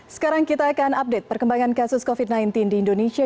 sekarang kita akan update perkembangan kasus covid sembilan belas di indonesia